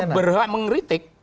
media berhak mengkritik